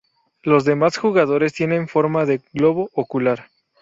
Los demás jugadores tienen forma de globo ocular.